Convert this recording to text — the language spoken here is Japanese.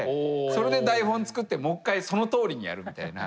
それで台本作ってもう一回そのとおりにやるみたいな。